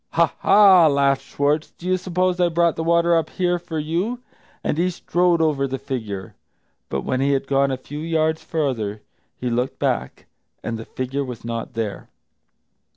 "Ha, ha," laughed Schwartz, "do you suppose I brought the water up here for you?" And he strode over the figure. But when he had gone a few yards farther, he looked back, and the figure was not there.